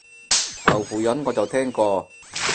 豆腐膶我就聽過